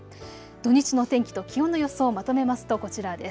土日の天気と気温の予想をまとめますとこちらです。